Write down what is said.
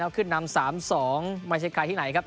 ขึ้นนำ๓๒ไม่ใช่ใครที่ไหนครับ